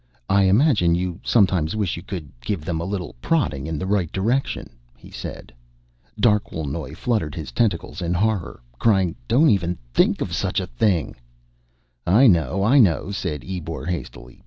"I imagine you sometimes wish you could give them a little prodding in the right direction," he said. Darquelnoy fluttered his tentacles in horror, crying, "Don't even think of such a thing!" "I know, I know," said Ebor hastily.